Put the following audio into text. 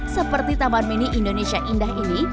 seperti taman mini indonesia indah ini